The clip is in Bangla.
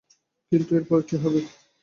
কিন্তু এর পরে কী হবে?